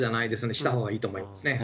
したほうがいいと思いますね。